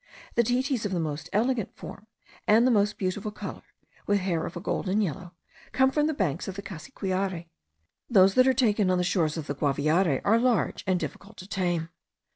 The titis of the most elegant form, and the most beautiful colour (with hair of a golden yellow), come from the banks of the Cassiquiare. Those that are taken on the shores of the Guaviare are large and difficult to tame.